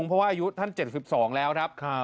อายุท่าน๗๒แล้วครับ